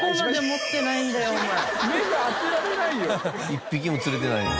１匹も釣れてないのか。